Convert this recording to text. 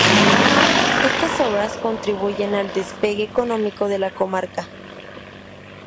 Estas obras contribuyen al despegue económico de la comarca.